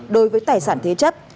đối với tài sản thế chấp